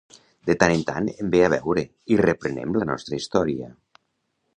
De tant en tant em ve a veure i reprenem la nostra història.